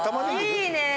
いいね。